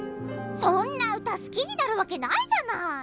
そんなうたすきになるわけないじゃない！